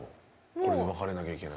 これで別れなきゃいけない。